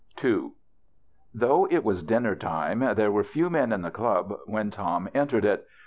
n Though it was dinner time, there were few men in the club when Tom entered it.